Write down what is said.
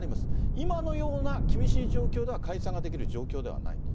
今のような厳しい状況では解散ができる状況ではない。